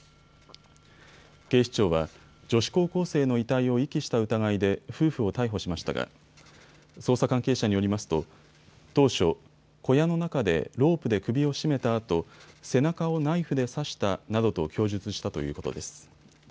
警視庁は女子高校生の遺体を遺棄した疑いで夫婦を逮捕しましたが捜査関係者によりますと当初、小屋の中でロープで首を絞めたあと背中をナイフで刺したなどと供述したということです。